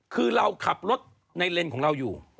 คือเราขับรถในเลนส์ของเราอยู่